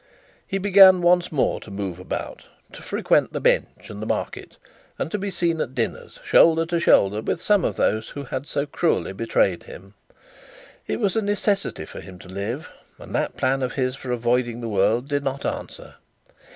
He began once more to move about, to frequent the bench and the market, and to be seen at dinners, shoulder to shoulder with some of those who had so cruelly betrayed him. It was a necessity for him to live, and that plan of his for avoiding the world did not answer.